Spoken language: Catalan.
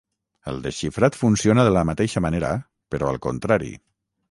El desxifrat funciona de la mateixa manera, però al contrari.